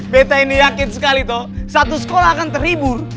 beta ini yakin sekali toh satu sekolah akan terhibur